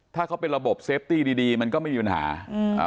ถ้าเขาเป็นระบบเซฟตี้ดีมันก็ไม่มีปัญหา